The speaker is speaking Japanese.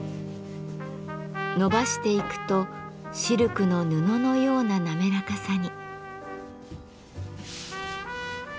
のばしていくとシルクの布のような滑らかさに。